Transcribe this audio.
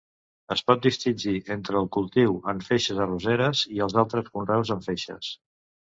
Es pot distingir entre el cultiu en feixes arrosseres i els altres conreus en feixes.